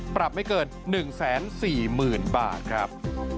ปรับไม่เกิน๑๔๐๐๐บาทครับ